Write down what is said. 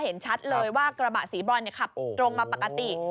เห็นชัดเลยว่ากระบะสีบรอนขับตรงมาปกติ